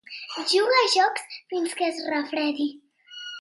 Juga a jocs fins que es refredi.